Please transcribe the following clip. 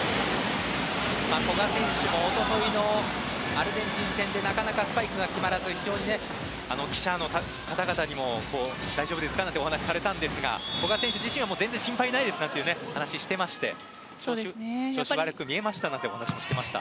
古賀選手も一昨日のアルゼンチン戦でなかなかスパイクが決まらず非常に記者の方々にも大丈夫ですか？とお話しされたんですが古賀選手自身は全然心配ないですという話をしていまして調子が悪く見えましたか？なんて話をしていました。